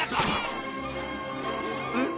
うん？